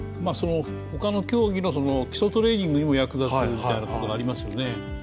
他の競技の基礎トレーニングにも役立つこともありますよね。